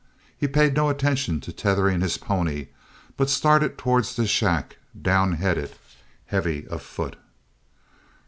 He paid no attention to tethering his pony, but started towards the shack, down headed, heavy of foot.